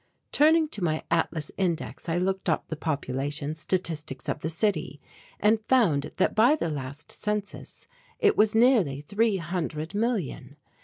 Turning to my atlas index I looked up the population statistics of the city, and found that by the last census it was near three hundred million.